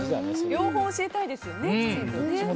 両方教えたいですね。